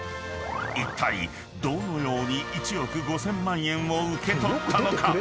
［いったいどのように１億５，０００万円を受け取ったのか］